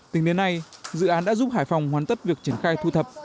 tính đến nay dự án đã giúp hải phòng hoàn tất việc triển khai thu thập